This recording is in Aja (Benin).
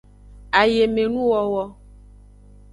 Ayemenuwowo.